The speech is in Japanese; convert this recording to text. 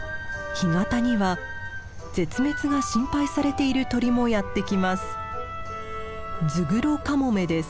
干潟には絶滅が心配されている鳥もやって来ます。